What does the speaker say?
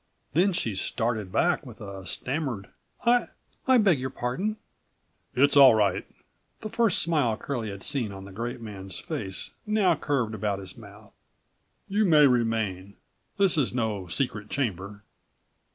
Then she started back with a stammered: "I—I beg your pardon."93 "It's all right." The first smile Curlie had seen on the great man's face now curved about his mouth. "You may remain. This is no secret chamber."